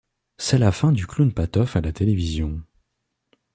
C'est la fin du clown Patof à la télévision...